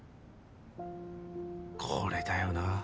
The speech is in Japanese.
これだよな。